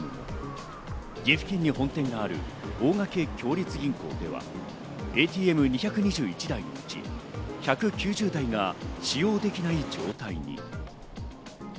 岐阜県に本店がある大垣共立銀行ではＡＴＭ２２１台のうち、１９０台が使用できない状態に。